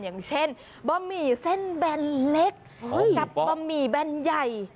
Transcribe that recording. อย่างเช่นบะหมี่เส้นแบนเล็กกับบะหมี่แบนใหญ่